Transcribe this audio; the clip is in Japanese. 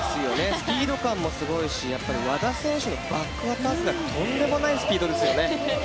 スピード感もすごいし和田選手のバックアタックがとんでもないスピードですよね。